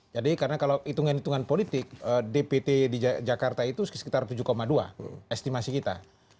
jadi karena kalau hitungan hitungan politik dpt di jakarta itu sekitar tujuh dua estimasi kita